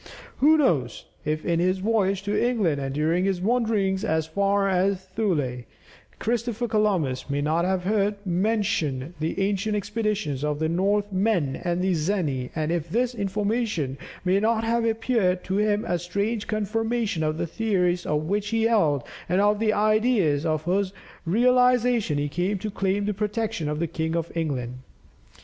Who knows, if in his voyage to England and during his wanderings as far as Thule, Christopher Columbus may not have heard mentioned the ancient expeditions of the Northmen and the Zeni, and if this information may not have appeared to him a strange confirmation of the theories which he held, and of the ideas for whose realization he came to claim the protection of the King of England?